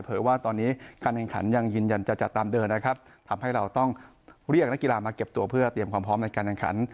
ว่าตอนนี้การแข่งขันยังยืนยันจะจัดตามเดิมนะครับทำให้เราต้องเรียกนักกีฬามาเก็บตัวเพื่อเตรียมความพร้อมในการแข่งขัน